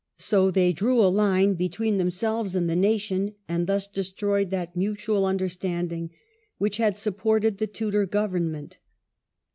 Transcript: So they dr^w a line between themselves and the nation, and thus destroyed that mutual understanding which had supported the Tudor government.